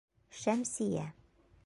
Ш әмсиә.